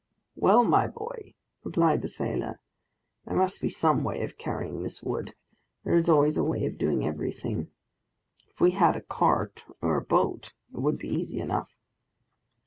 "Well, my boy," replied the sailor, "there must be some way of carrying this wood; there is always a way of doing everything. If we had a cart or a boat, it would be easy enough."